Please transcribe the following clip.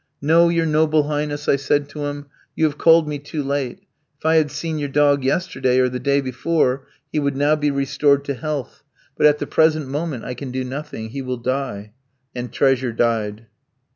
'No, your noble highness,' I said to him, 'you have called me too late. If I had seen your dog yesterday or the day before, he would now be restored to health; but at the present moment I can do nothing. He will die.' And 'Treasure' died."